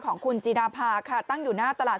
ของคุณจีดาภาค่ะตั้งอยู่หน้าตลาด